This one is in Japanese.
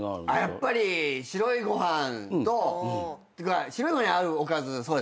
やっぱり白いご飯と白いご飯に合うおかずが好きですね。